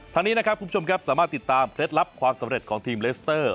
ทางนี้นะครับคุณผู้ชมครับสามารถติดตามเคล็ดลับความสำเร็จของทีมเลสเตอร์